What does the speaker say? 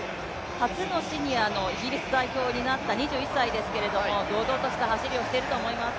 初のシニアの代表になったイギリスの選手ですけれども、堂々とした走りをしていると思います。